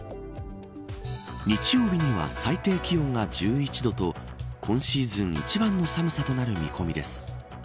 日曜日には最低気温が１１度と今シーズン一番の寒さとなる見込みです。